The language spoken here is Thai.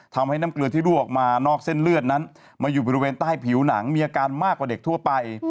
ทำให้น้ำเกลือที่รั่วออกมานอกเส้นเลือดนั้นมาอยู่บริเวณใต้ผิวหนังมีอาการมากกว่าเด็กทั่วไป